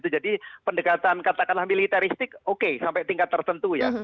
jadi pendekatan katakanlah militeristik oke sampai tingkat tertentu ya